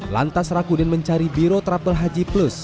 lantas rakudin mencari biro travel haji plus